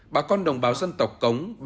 bà con đồng bào dân tộc cống sẽ trưởng thành